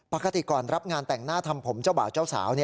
ปกติก่อนรับงานแต่งหน้าทำผมเจ้าสาว